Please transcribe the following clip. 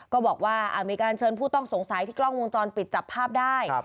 ก็บอกว่ามีการเชิญผู้ต้องสงสัยที่กล้องวงจรปิดจับภาพได้